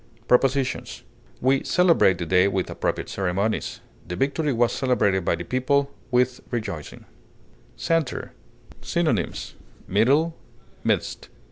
Prepositions: We celebrate the day with appropriate ceremonies; the victory was celebrated by the people, with rejoicing. CENTER. Synonyms: middle, midst.